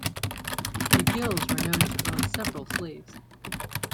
The Gills were known to own several slaves.